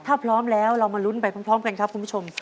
ถ้าพร้อมแล้วเรามาลุ้นไปพร้อมกันครับคุณผู้ชม